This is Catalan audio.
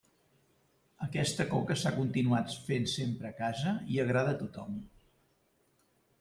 Aquesta coca s'ha continuat fent sempre a casa i agrada a tothom.